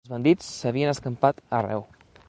Els bandits s'havien escampat arreu.